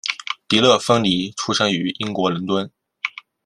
迪乐芬妮出生于英国伦敦。